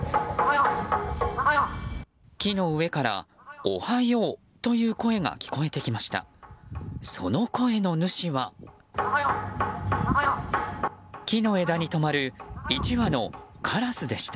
木の上からおはようという声が聞こえてきました。